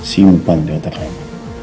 simpan di otak kamu